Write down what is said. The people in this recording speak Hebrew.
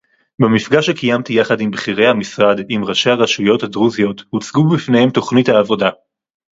במפגש שקיימתי יחד עם בכירי המשרד עם ראשי הרשויות הדרוזיות הוצגו בפניהם תוכנית העבודה